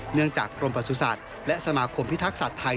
เนื่องจากกรมประสุนัขและสมาคมพิทักษ์สัตว์ไทย